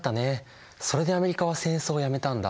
それでアメリカは戦争をやめたんだ。